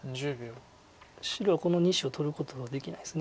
白はこの２子を取ることはできないです。